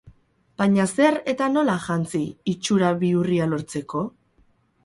Baina zer eta nola jantzi itxura bihurria lortzeko?